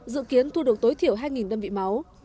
dự kiến thu được tối thiểu hai đơn vị máu